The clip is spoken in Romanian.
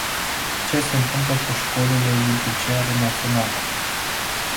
Ce se întâmplă cu școlile judiciare naționale?